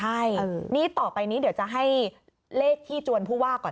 ใช่นี่ต่อไปนี้เดี๋ยวจะให้เลขที่จวนผู้ว่าก่อน